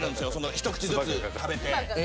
一口ずつ食べて。